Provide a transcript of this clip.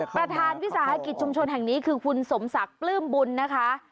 ประธานวิสาหกิจชุมชนแห่งนี้คือคุณสมศักดิ์ปลื้มบุญนะคะ